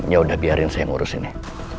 ya udah biarin saya ngurusin nih